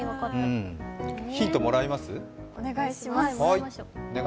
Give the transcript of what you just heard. ヒントもらいます？